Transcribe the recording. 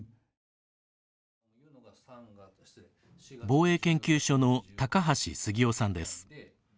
防衛研究所の高橋杉雄さんです。